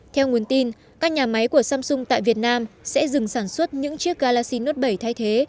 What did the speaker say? theo nguồn tin các nhà máy của samsung tại việt nam sẽ dừng sản xuất những chiếc galaxin nuốt bảy thay thế